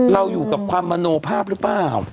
เราอยู่กับความมโนภาพหรือเปล่า